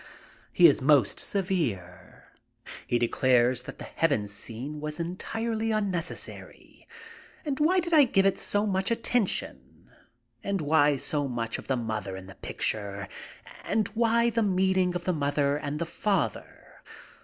He is very severe. He declares that the "heaven" scene was entirely unnecessary, and why did I give it so much attention ? And why so much of the mother in the picture, and why the meeting of the mother and the father?